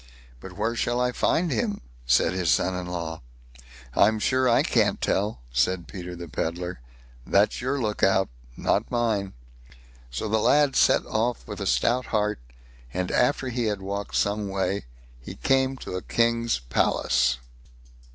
"But where shall I find him?" said his son in law. "I'm sure I can't tell", said Peter the Pedlar; "that's your look out, not mine." So the lad set off with a stout heart, and after he had walked some way, he came to a king's palace.